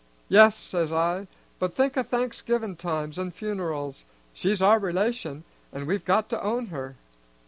'Yes,' says I, 'but think o' Thanksgivin' times an' funerals; she's our relation, an' we've got to own her.'